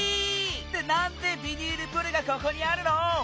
ってなんでビニールプールがここにあるの？